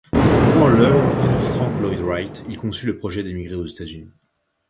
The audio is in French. Découvrant l'œuvre de Frank Lloyd Wright, il conçut le projet d'émigrer aux États-Unis.